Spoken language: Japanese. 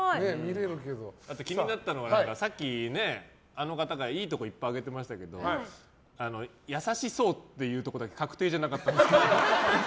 気になったのはさっきあの方がいいところいっぱい挙げてましたけど優しそうっていうところだけ確定じゃなかったんですけど。